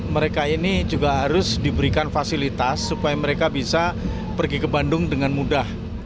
mereka ini juga harus diberikan fasilitas supaya mereka bisa pergi ke bandung dengan mudah